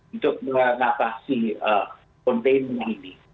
untuk menatasi kontennya ini